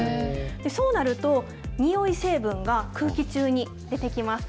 そうなると、におい成分が空気中に出てきます。